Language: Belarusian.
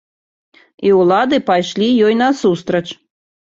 І ўлады пайшлі ёй насустрач.